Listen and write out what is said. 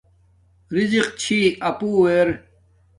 رزِق چھی اپݸ ار